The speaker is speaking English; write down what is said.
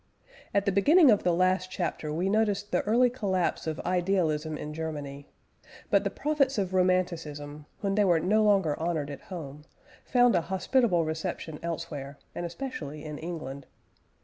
At the beginning of the last chapter we noticed the early collapse of idealism in Germany. But the prophets of Romanticism, when they were no longer honoured at home, found an hospitable reception elsewhere, and especially in England.